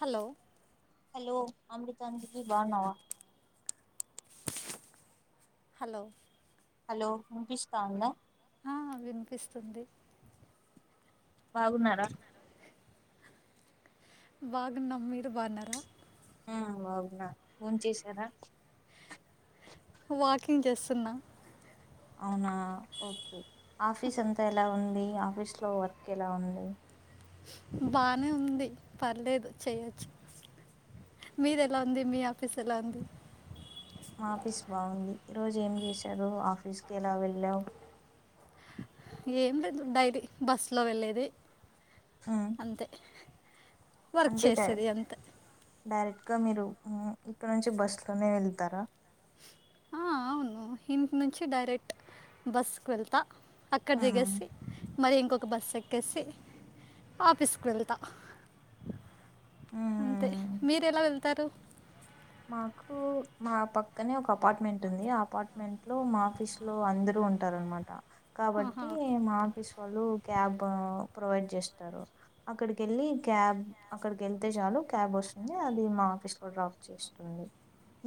Hello hello Amrutanjali బాగున్నావా hello hello వినిపిస్తా ఉందా ఆ వినిపిస్తుంది బాగున్నారా బాగున్నం మీరు బాగున్నారా ఆ బాగునా భోంచేసారా వాకింగ్ చేస్తున్నా అవునా ఓకే ఆఫీస్ అంతా ఎలా ఉంది ఆఫీస్ లో వర్క్ ఎలా ఉంది బానే ఉంది పర్లేదు చేయొచ్చు మీది ఎలా ఉంది మీ ఆఫీస్ ఎలా ఉంది మా ఆఫీస్ బాగుంది ఈరోజు ఏం చేశారో ఆఫీస్కి ఎలా వెళ్ళావు ఏం లేదు డైలీ బస్సులో వెళ్ళేది ఉమ్ అంతే వర్క్ అంటే చేసేది అంతే డైరెక్ట్ ఇంకా మీరు ఇక్కడ నుంచి బస్లోనే వెళ్తారా ఆ అవును ఇంటి నుంచి డైరెక్ట్ బస్కు వెళ్తా అక్కడ ఉమ్ దిగేసి మరి ఇంకొక బస్సు ఎక్కేసి ఆఫీస్కి వెళ్తా అంతే ఉమ్ మీరు ఎలా వెళ్తారు మాకు మా పక్కనే ఒక అపార్ట్మెంట్ ఉంది ఆ అపార్ట్మెంట్ లో మా ఆఫీస్ లో అందరు కొంటారున్మాట ఆహా కాబట్టి మా ఆఫీస్ వాళ్ళు క్యాబ్ ప్రొవైడ్ చేస్తారు అక్కడికి వెళ్ళి క్యాబ్ అక్కడికి వెళ్తే చాలు క్యాబ్ వస్తుంది అది మా ఆఫీస్ కూడా డ్రాప్ చేస్తుంది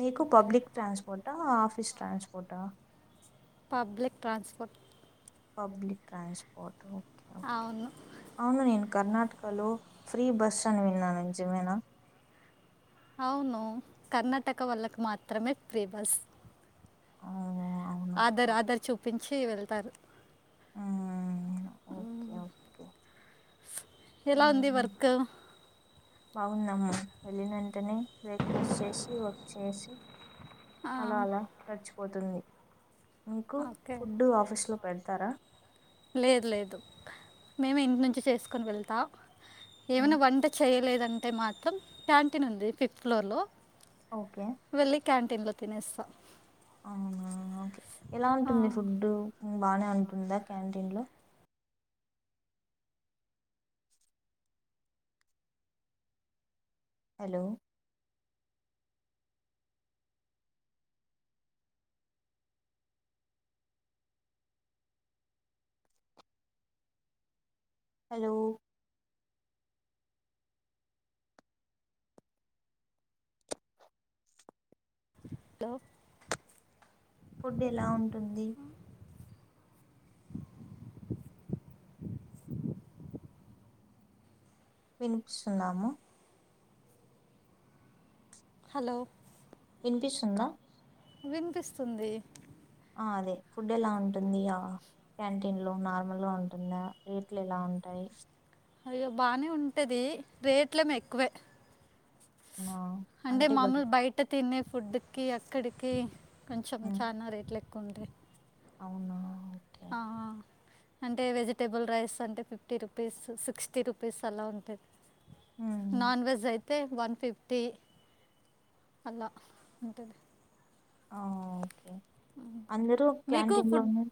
మీకు ఓకే పబ్లిక్ ట్రాన్స్పోర్టా office transport public transport public transport అవును కర్ణాటకలో ఫ్రీ బస్ అని విన్నాను నిజమేనా అవును కర్ణాటక వాళ్లకి మాత్రమే ప్రీ బస్ ఆ ఆధార్ ఆధార్ చూపించి వెళ్తారు ఉమ్ ఎలా ఉంది వర్క్ బాగుందమ్ము వెళ్ళిన వెంటనే బ్రేక్ఫాస్ట్ చేసి వర్క్ చేసి ఆ, అలా అలా గర్చిపోతుంది మీకు ఓకే ఫుడ్డు ఆఫీసు లో పెడతారా లేదు లేదు మేము ఇంటి నుంచి చేసుకుని వెళ్తా ఉమ్, ఏమైనా వంట చేయలేదంటే మాత్రం క్యాంటీన్ ఉంది ఫిఫ్త్ ఫ్లోర్లో ఓకే వెళ్లి క్యాంటీన్ లో తినేస్తాం అవునా ఓకే ఎలా ఆ, ఉంటుంది ఫుడ్డు బానే ఉంటుందా క్యాంటీన్లో హలో హలో హలో ఫుడ్ ఎలా ఉంటుంది వినిపిస్తుందా అమ్మ హలో ఇనిపిస్తుంద వినిపిస్తుంది ఆ అదే ఫుడ్ ఎలా ఉంటుందియా క్యాంటీన్లో నార్మల్ గా ఉంటుందా రేట్లు ఎలా ఉంటాయి అయ్యో బానే ఉంటది రేట్లేమి ఎక్కువే అవునా? అంటే మామూలు బయట తినే ఫుడ్ కి అక్కడికి కొంచెం చానా రేట్లే ఎ కుంటయి అవునా ఓకే ఆఆ అంటే వెజిటేబుల్ రైస్ అంటే ఫిఫ్టీ రూపీస్ సిక్స్టీ రూపీస్ అలా ఉంటది ఉమ్, నాన్ వెజ్ అయి తే వన్ ఫిఫ్టీ అలా ఓ అందరూ మీకు క్యాంటీన్ లో ఫుడ్ ఉన్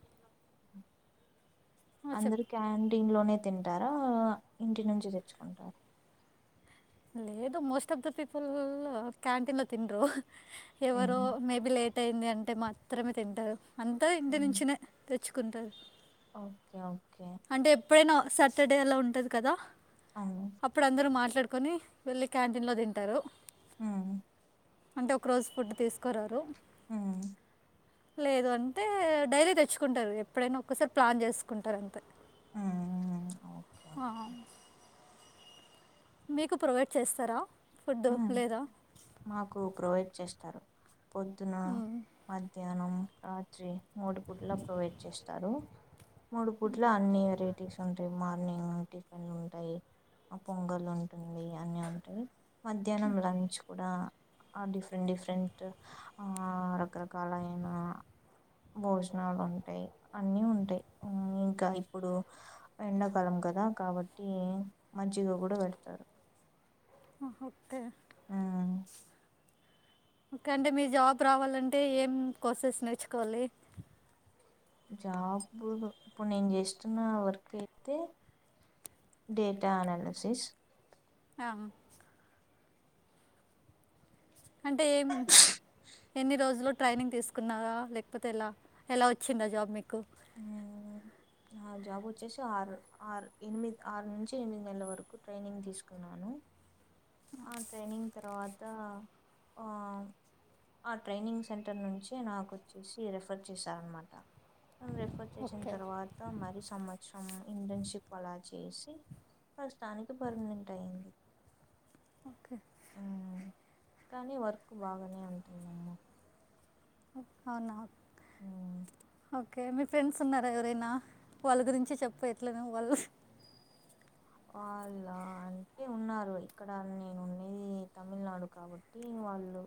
ఆ, చెప్ అందరు క్యాంటీన్లోనే తింటారా ఇంటి నుంచి తెచ్చుకుంటార లేదు most of the people canteen లో తిన్రు ఎవరో హ్మ్ మేబి లేట్ అయింది అంటే మాత్రమే తింటరు అంత ఇంటినుంచినే చ్చుకుంటరు ఓకే ఓకే ఎప్పుడైనా సాటర్డే అలా ఉంటది కదా అవును. అప్పుడు అందరూ మాట్లాడు కని వెళ్ళి క్యాంటీన్ల తింటరు ఉహు అంటే ఒక రోజు ఫుడ్ తీసుకురారు మ్ లేదు అంటే డైరీ తెచ్చుకుంటారు ఎప్పుడైనా ఒక్కసారి ప్లాన్ చేసుకుంటారు అంతే హ్మ్. ఓకే. అ మీకు ప్రొవైడ్ చేస్తారా ఫుడ్ ఉమ్ లేదా మాకు ప్రొవైడ్ చేస్తారు పొద్దున మ్మ్. మధ్యాహ్నం రాత్రి మూడు పూట్ల ప్రొవైడ్ చేస్తారు మూడు పూట్ల అన్ని వెరైటీస్ ఉంటాయి మా మార్నింగ్ టిఫెన్లు ఉంటాయి ఆ పొంగల్ ఉంటుంది అన్ని ఉంటాయి మధ్యాహ్నం లంచ్ కూడా ఆ డిఫరెంట్ డిఫరెంట్ ఆ రకరకాల అయిన భోజనాలు ఉంటాయి అన్నీ ఉంటాయి ఇంకా ఇప్పుడు ఎండాకాలం కదా కాబట్టి మంచిగ కూడా పెడతారు ఆహా ఒకే ఉమ్, కంటే మీ జాబ్ రావాలంటే ఏం కోర్సెస్ నేర్చుకోవాలి జాబు ఇప్పుడు నేను చేస్తున్న వర్క్ అయితే డేటా అనాలసిస్ అహ అంటే ఏం ఇన్ని రోజులు ట్రైనింగ్ తీసుకున్నారా లేకపోతే ఎలా ఎలా వచ్చింద జాబ్ మీకు ఉమ్ న జాబ్ వచ్చేసి ఆరు ఆరు ఎనిమిది ఆరు నుంచి ఎనిమిది నెల్లు వరకు ట్రైనింగ్ తీసుకున్నాను ఆ ట్రైనింగ్ తరవాత ఆ ఆ ట్రైనింగ్ సెంటర్ నుంచి నాకొచ్చేసి రిఫర్ చేశారన్నమాట రిఫర్ చేసిన ఓకే తర్వాత మరి సంవత్సరం ఇంటెన్షిప్ అలా చేసి ప్రస్సుతానికి పర్నెంట్ అయింది. ఓకే ఉమ్ కానీ వర్క్ బాగానే ఉంటుందమ్మ ఔనా ఓకే మీ ఫ్రెండ్స్ ఉన్నారా ఎవరైనా వాళ్ళ గురించి చెప్పెట్లనో వాళ్ళు ఆల్లా అంటే ఉన్నారు ఇక్కడ నేను ఉంది తమిళనాడు కాబట్టి వాళ్ళు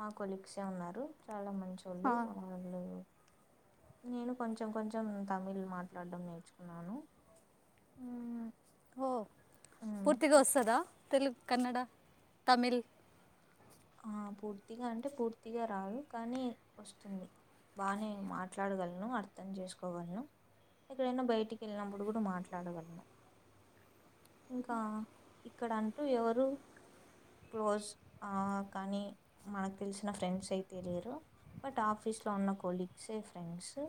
మా కొలీగ్సే ఉన్నారు. చాలా మంచొళ్ళు ఆ, వాళ్ళు నేను కొంచెం కొంచెం తమిళ్ మాట్లాడ్డం నేర్చుకున్నాను. ఉమ్ ఉ- పూర్తిగొస్తదా తెలుగ్ కన్నడ తమిళ్ ఆ పూర్తిగా అంటే పూర్తిగా రాదు కానీ ఒస్తుంది బానే మాట్లాడగల్ను అర్థం చేస్కోగల్ను ఎక్కడనా బైటికెళ్ళినప్పుడు కూడా మాట్లాడగల్ను ఇంకా ఇక్కడ అంటూ ఎవరు క్లోశ్ అ కానీ మనకు తెల్సిన ఫ్రెండ్స్ అయితే లేరు. బట్ ఆఫీస్ లో ఉన్న కొలీగ్సే ఫ్రెండ్సు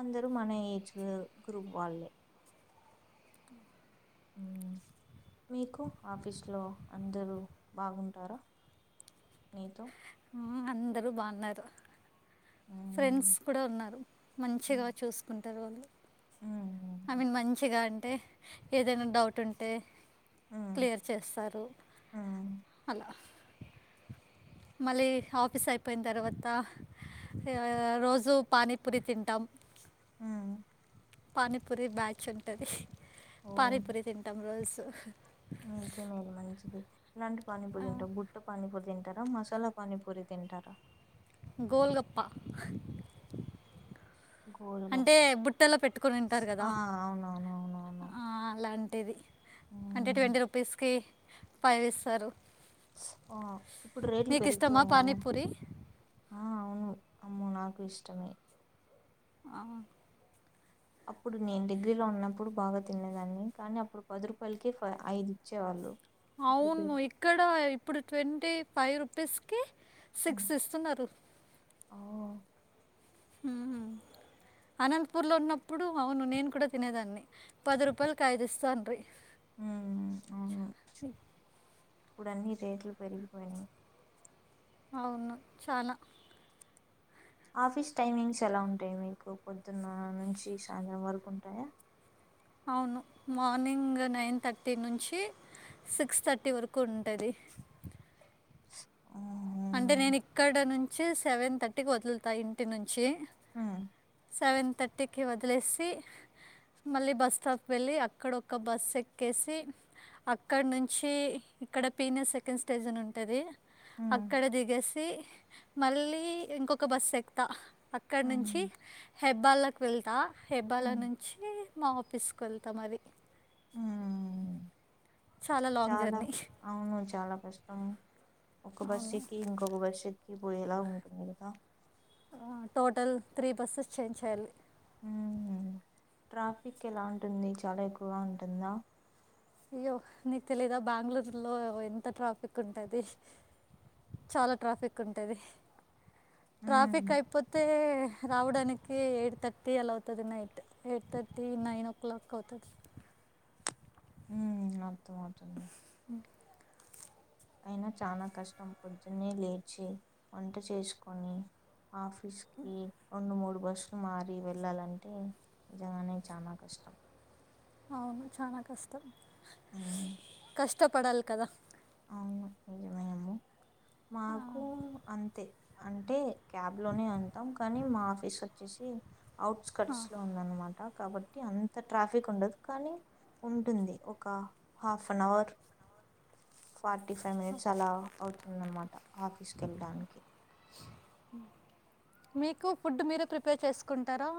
అందరూ మన ఏజ్ గ్రూ గ్రూప్ వాళ్ళే ఉమ్ మీకు ఆఫీస్లో అందరూ బాగుంటారా నీతో ఆ అందరూ బావున్నారు ఉమ్, ఫ్రెండ్స్ కూడా ఉన్నారు మంచిగా ఉమ్, చూస్కుంటరు వాళ్ళు ఐ ఉమ్, మీన్ మంచిగా అంటే ఏదైనా డౌట్ ఉంటే ఉమ్, క్లియర్ చేస్తారు ఉమ్. అలా మళ్ళీ ఆఫీస్ అయిపేయిన్ తర్వాత హా రోజూ పానీపూరి తింటాం. ఉ పానీపూరి బ్యాచ్ ఉంటది. ఓహ్! పానీపూరి తింటాం రోల్సు మీకే మేలు మంచిది ఇలాంటి పానీపూరీ ఆ, దింటవు బుట్ట పానీపూరీ తింట టరా మసాలా పానీపూరి తింటరా గోల్గప్ప హా అంటే గోల్‌గప్ప. బుట్టలో పెట్టుకొని తింటారు గదా ఆ! అవునవునవునవును. అలాంటిది అంటే హ్మ్. ట్వంటీ రూపీస్కి ఫైవ్ ఇస్తారు ఆ! ఇప్పుడు రేట్లు నీకిష్టమా పెరిగిపోయాయా? పానీపూరి ఆ అవును అమ్మో నాకు ఇష్టమే ఆ అప్పుడు నేను డిగ్రీలో ఉన్నప్పుడు బాగా తినేదాన్ని. కానీ అప్పుడు పది రూపాయలకి ఫై ఐదిచ్చేవాళ్ళు. అవును ఇక్కడ ఇప్పుడు ట్వంటీ ఫై రుపీస్కి హ్మ్. సిక్స్ ఇస్తున్నరు ఓహ్! హుమ్ అనంతపూర్ లో ఉన్నప్పుడు అవును నేను కూడా తినేదాన్ని. పది రూపాయల్కి ఐదిస్తాండ్రి. హ్మ్. ఉ ఇప్పుడన్ని రేట్లు పెరిగిపోయినయ్ అవును చాలా ఆఫీస్ టైమింగ్స్ ఎలా ఉంటాయి మీకు పొద్దున్నా నుంచి సాయంత్రం వరకు ఉంటాయా అవును మార్నింగ్ నైన్ థర్టీ నుంచి సిక్స్ థర్టీ వరకు ఉంటది ఓ అంటే నేను ఇక్కడ నుంచి సెవెన్ థర్టీకి వదుల్తా ఇంటి నుంచి ఊ సెవెన్ థర్టీకి వదిలేసి మళ్ళీ బస్ స్టాప్కి వెళ్ళి అక్కడొక్క బసెక్కేసి అక్కడ్నుంచి ఇక్కడ పీనె సెకండ్ స్టేజన్ ఉంటది హ్మ్ అక్కడ దిగేసి మళ్ళీ ఇంకొక బస్సెక్తా అక్కడ్నుంచి హ్మ్ హెబ్బలకి వెళ్తా హెబ్బాల నుంచి మా ఆఫీస్కేళ్తా అది చాలా లాంగ్ చానా జర్నీ అవ్ను చాలా కష్టం ఒక అవును బసేక్కి ఇంకొక బస్సేక్కి పోయేలా ఉంటుంది కదా టోటల్ త్రీ బస్సెస్ చేంజ్ చేయాలి ఉహ్ ట్రాఫిక్ ఎలా ఉంటుంది చాలా ఎక్కువగా ఉంటుందా అయ్యో నీకు తెలీదా బెంగళూరులో ఎంత ట్రాఫికుంటది చాలా ట్రాఫికుంటది హ్మ్. ట్రాఫికైపోతే రావడానికి ఎయిట్ థర్టీ ఎలా అవుతది night eight thirty nine o'clock అవుతది ఊ అర్థమవుతుంది అయినా చాలా కష్టం పొద్దున్న లేచి వంట చేస్కొని ఆఫీస్కి రోండు మూడు బస్సులు మారి వెళ్ళాలంటే నిజంగానే చానా కష్టం అవును చానా కష్టం ఆవును కష్టపడాలి కదా అవ్ను నిజమే మేమో మాకు అంతే అంటే క్యాబ్లోనే వెల్తాం కానీ మా ఆఫీస్ వచ్చేసి అవుట్స్కట్స్లో ఉందనమాట కాబట్టి అంత ట్రాఫిక్ ఉండదు కానీ ఉంటుంది ఒక హాఫనవర్ ఫార్టీ ఫైవ్ మినిట్స్ అలా అవుతుందన్నమాట ఆఫీస్కేళ్ళడానికి మీకు ఫుడ్ మీరే ప్రిపేర్ చేస్కుంటారా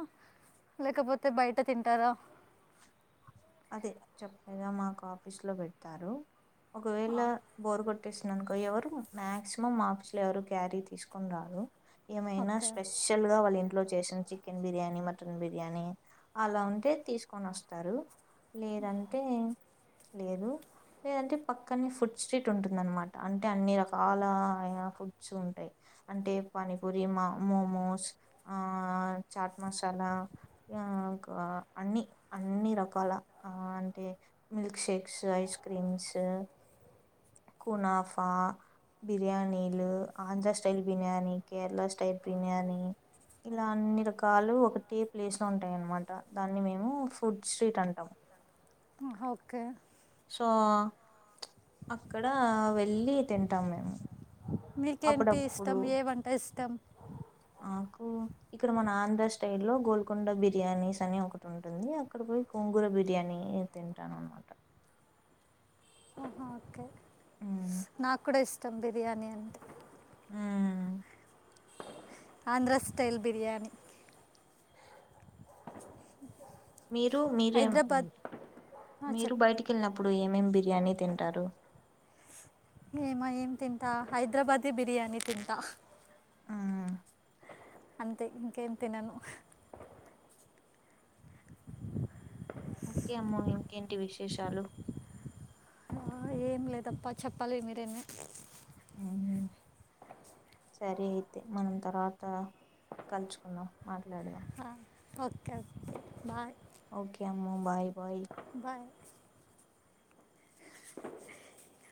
లేకపోతే బయ్ట తింటారా తే చెప్పగా మాకు ఆఫీస్లో పెడ్తారు ఆ, ఒకవేళ బోర్గోట్ ట్టిస్తున్నానుకో ఎవరు మ్యాక్సిమం ఆఫీస్లో ఎవరు క్యారీ తీస్కోని రారు ఏమైనా ఓకే స్పెషల్గా వాళ్ళ ఇంట్లో చేసిం చికెన్ బిర్యానీ మటన్ బిర్యానీ అలా ఉంటే తీస్కొని ఓస్తారు లేదంటే లేదు లేదంటే పక్కనే ఫుడ్ స్ట్రీట్ ఉంటుందనమాట అంటే అన్ని రకాల ఇగ ఫుడ్స్ ఉంటాయ్ అంటే పానీపూరి మా మోమోస్ ఆ చాట్ మసాలా ఇగ ఆ ఇంకా అన్ని అన్ని రక కాల ఆ అంటే మిల్క్ షేక్సు ఐస్ క్రీమ్సు కునాఫా బిర్యానీలు ఆంధ్ర స్టైల్ బిర్యాని కేరళ స్టైల్ బిర్యాని ఇలా అన్ని రకాలు ఒకటే ప్లేస్లో ఉంటాయి అన్నమాట దాన్ని మేము ఫుడ్ స్ట్రీట్ అంటాము ఆహ ఓకే సో అక్కడ వెళ్ళి తింటాం మేము మీకేంటి అప్పుడప్పుడు ఇష్టం ఏ వంట ఇష్టం నాకు ఇక్కడ మన ఆంధ్ర స్టైల్లో గోల్కొండ బిర్యానీసని ఒకటి ఉంటుంది అక్కడ పోయి గోంగూర బిర్యానీ నేను తింటానన్నమాట ఆహా, ఓకే నాకు కూడా ఇష్టం బిర్యానీ అంటే మ్ ఆంధ్ర స్టల్ బిర్యానీ మీరు మీరేం హైదరాబాద్ ఆ, మీరు చెప్ బయటికి వెళ్ళినప్ ఇప్పుడు ఏమేమి బిర్యానీ తింటారు ఏమయి తింటా హైదరాబాద్ బిర్యానీ తింటా ఉమ్, అంతే ఇంకేం తినను ఓకే అమ్మ ఇంకేంటి విశేషాలు ఆ, ఏం లేదప్ప చెప్పాలి మీరేమీ మ్ సరే అయితే మనం తర్వాత కలుచుకున్నాం మాట్లాడు ఆ ఓకే బాయ్ ఓకే అమ్మ బాయ్ బాయ్ బాయ్ అండి